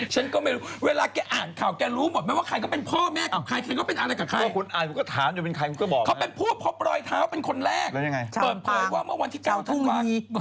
ชื่อทุ่งนี้ก็น่ากลัวมากอะนะ